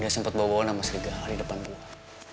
dia sempet bawa bawa nama serigala di depan gue